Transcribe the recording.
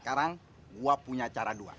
sekarang gue punya cara dua